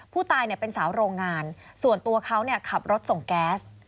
ผู้ตายเป็นสาวโรงงานส่วนตัวเขาขับรถส่งแก๊ส